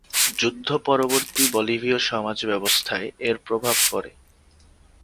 যুদ্ধ-পরবর্তী বলিভীয় সমাজব্যবস্থায় এর প্রভাব পড়ে।